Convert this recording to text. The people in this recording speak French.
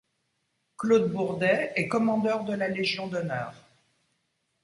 Claude Bourdet est commandeur de la Légion d'honneur.